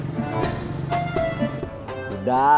cari cowok yang lain